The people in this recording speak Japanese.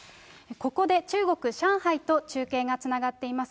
ここで中国・上海と中継がつながっています。